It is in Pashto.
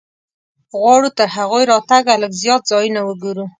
غواړو تر هغوی راتګه لږ زیات ځایونه وګورو.